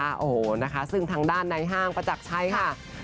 โอ้โหนะคะซึ่งทางด้านในห้างประจักรชัยค่ะ